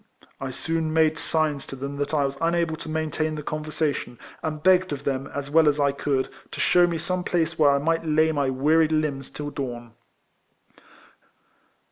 I soon made signs to them that I was unable to maintain the conversation, and begged of them, as well as I could, to shew me some place where I might lay my wearied limbs till dawn.